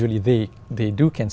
khi tôi đến hà nội